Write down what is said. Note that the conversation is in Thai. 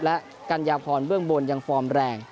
และกัญญาพรเบื้องบนยังฟอร์มแรง